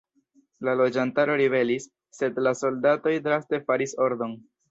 La loĝantaro ribelis, sed la soldatoj draste faris ordon.